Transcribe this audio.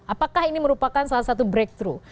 apakah ini merupakan salah satu breakthrough